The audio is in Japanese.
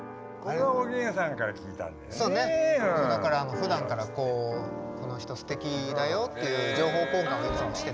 ふだんからこの人すてきだよっていう情報交換をいつもしてて。